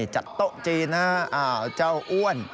จัดโต๊ะจีนนะอาวเจ้าอ้วน